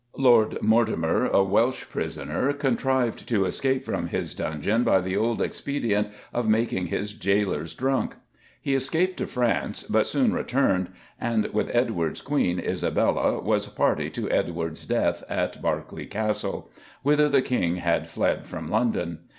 Lord Mortimer, a Welsh prisoner, contrived to escape from his dungeon by the old expedient of making his jailors drunk. He escaped to France, but soon returned, and with Edward's Queen, Isabella, was party to Edward's death at Berkeley Castle, whither the King had fled from London.